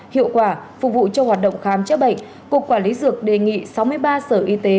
hiệu quả phục vụ cho hoạt động khám chữa bệnh cục quản lý dược đề nghị sáu mươi ba sở y tế